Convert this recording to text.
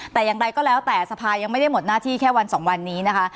แต่อย่างไรก็แล้วแต่สภายังไม่ได้หมดหน้าที่แค่วันสองวันนี้นะคะ